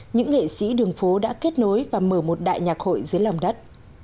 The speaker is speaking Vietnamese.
những nghệ sĩ đường phố đã kết nối và mở một đại nhạc hội dưới lòng đất